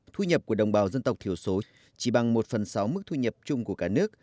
thu nhập của đồng bào dân tộc thiểu số chỉ bằng một phần sáu mức thu nhập chung của cả nước